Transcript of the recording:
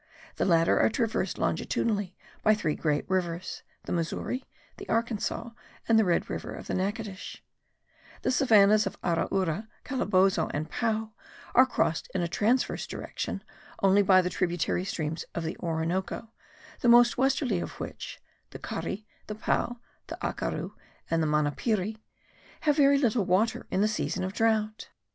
The latter are traversed longitudinally by three great rivers, the Missouri, the Arkansas, and the Red River of Nachitoches; the savannahs of Araura, Calabozo, and Pao are crossed in a transverse direction only by the tributary streams of the Orinoco, the most westerly of which (the Cari, the Pao, the Acaru, and the Manapire) have very little water in the season of drought.